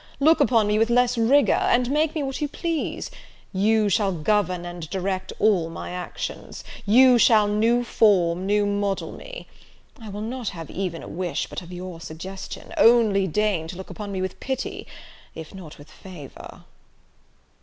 look upon me with less rigour, and make me what you please; you shall govern and direct all my actions, you shall new form, new model me: I will not have even a wish but of your suggestion; only deign to look upon me with pity if not with favour!"